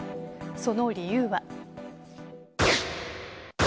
その理由は。